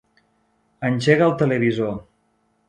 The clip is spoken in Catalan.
Engega el televisor.